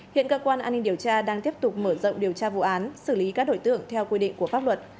hiện cơ quan an ninh điều tra đang tiếp tục mở rộng điều tra vụ án xử lý các đổi tượng theo quy định của pháp luật